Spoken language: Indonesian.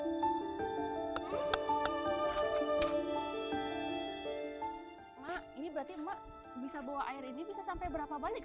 hai ini berarti emak bisa bawa air ini bisa sampai berapa balik